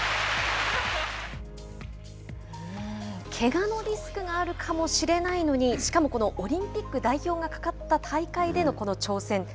けがのリスクがあるかもしれないのにしかも、このオリンピック代表がかかった大会でのこの挑戦。